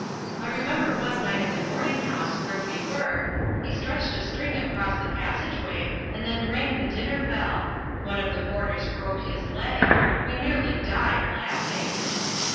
I remember one night at the boarding house where we were, he stretched a string across the passage way and then rang the dinner bell. One of the boarders broke his leg. We nearly died laughing."